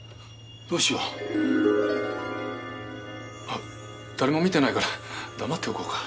あっ誰も見てないから黙っておこうか。